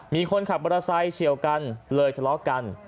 มีคนขับมอเตอร์ไซค์เฉียวกันเลยทะเลาะกัน